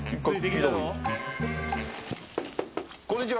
こんにちは。